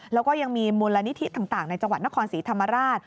แล้วก็ยังมีมูลนิธิต่างในจังหวัดนครศรีธรรมราช